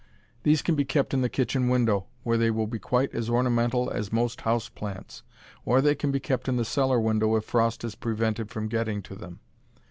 These can be kept in the kitchen window, where they will be quite as ornamental as most house plants, or they can be kept in the cellar window if frost is prevented from getting to them.